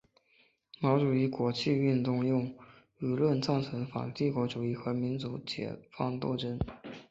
毛主义国际主义运动用舆论赞成反帝国主义和民族解放斗争。